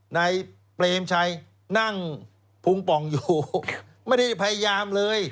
เปรมชัยนั่งพุงป่องอยู่ไม่ได้พยายามเลย